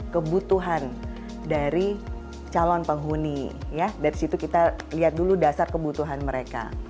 kebutuhan dari calon penghuni ya dari situ kita lihat dulu dasar kebutuhan mereka